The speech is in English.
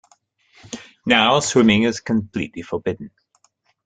Now swimming is completely forbidden.